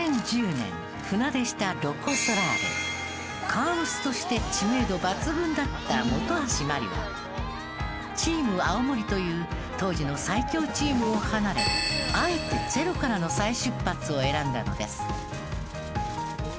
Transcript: カー娘として知名度抜群だった本橋麻里はチーム青森という当時の最強チームを離れあえてゼロからの再出発を選んだのです。